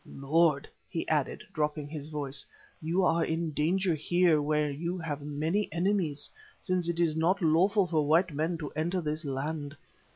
Lord," he added, dropping his voice, "you are in danger here where you have many enemies, since it is not lawful for white men to enter this land.